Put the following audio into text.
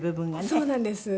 そうなんです。